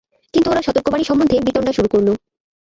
কিন্তু ওরা সতর্কবাণী সম্বন্ধে বিতণ্ডা শুরু করল।